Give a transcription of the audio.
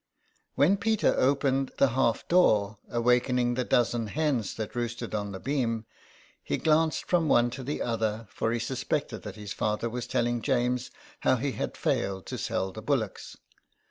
When Peter opened the half door, awaking the dozen hens that roosted on the beam, he glanced from one to the other, for he suspected that his father was telling James how he had failed to sell the bullocks.